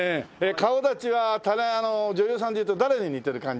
顔立ちは女優さんでいうと誰に似てる感じ？